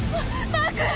マーク！